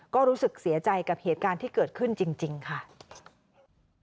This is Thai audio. ก็รู้สึกเสียใจกับเหตุการณ์ที่เกิดขึ้นจริงค่ะ